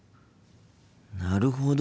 なるほど。